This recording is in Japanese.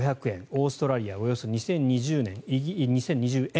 オーストラリアおよそ２０２０円